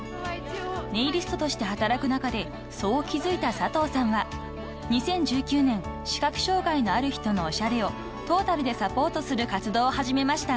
［ネイリストとして働く中でそう気付いた佐藤さんは２０１９年視覚障害のある人のおしゃれをトータルでサポートする活動を始めました］